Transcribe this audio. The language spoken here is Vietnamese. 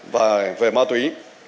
và về ma túy